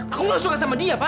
aku gak suka sama dia pak